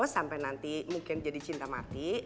sampai nanti mungkin jadi cinta mati